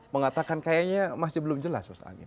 mengatakan kayaknya masih belum jelas mas angin